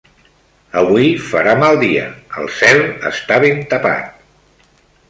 Avui farà mal dia, el cel està ben tapat.